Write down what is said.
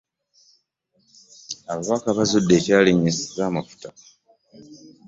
Ababaka bazudde ekyalinyisa amafuta.